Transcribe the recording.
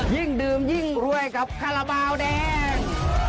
ยิ่งดื่มยิ่งรวยกับคาราบาลแดง